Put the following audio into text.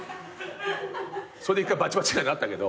それで一回バチバチなったけど。